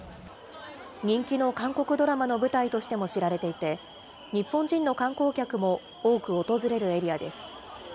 人気の韓国ドラマの舞台としても知られていて、日本人の観光客も多く訪れるエリアです。